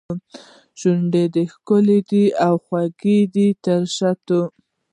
شونډو کې ښکلي او خواږه تر شاتو